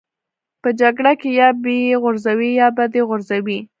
په جګړه کې یا به یې غورځوې یا به دې غورځوي